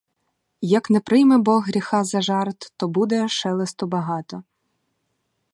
Як не прийме бог гріха за жарт, то буде шелесту багато.